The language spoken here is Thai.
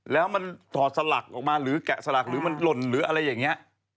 แล้วมันถอดสลักออกมาหรือแกะสลักหรือมันหล่นหรืออะไรอย่างนี้